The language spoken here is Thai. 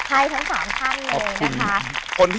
ใช่ทั้ง๓ท่านเลยนะคะ